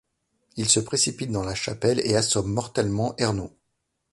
Il se précipite dans la chapelle et assomme mortellement Hernaut.